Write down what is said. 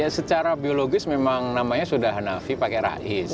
secara biologis memang namanya sudah hanafi pakai rais